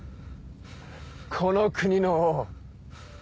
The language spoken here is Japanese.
この国の王。